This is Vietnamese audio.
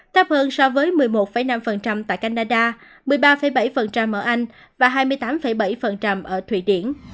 thấp hơn so với một mươi một năm tại canada một mươi ba bảy ở anh và hai mươi tám bảy ở thụy điển